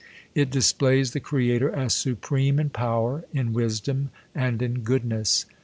It displays the Creator as supreme in power, in wisdom, and in goodness.